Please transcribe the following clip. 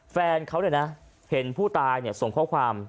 แฟนเขาเนี่ยนะเห็นผู้ตายส่งข้อความ